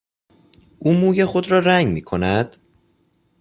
او موی خود را رنگ میکند؟